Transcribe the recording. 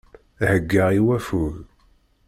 Heggaɣ i waffug.